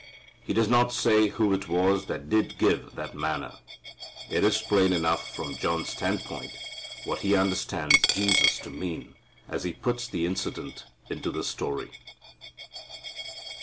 He does not say who it was that did give that manna. It is plain enough from John's standpoint what he understands Jesus to mean as he puts the incident into his story.